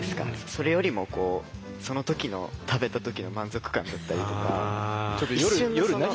それよりもその時の食べた時の満足感だったりとか一瞬のその。